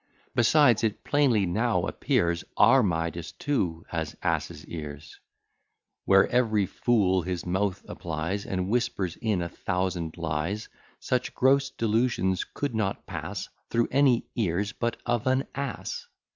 Besides, it plainly now appears Our Midas, too, has ass's ears: Where every fool his mouth applies, And whispers in a thousand lies; Such gross delusions could not pass Thro' any ears but of an ass.